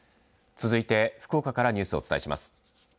続いて、福岡からニュースをお伝えします。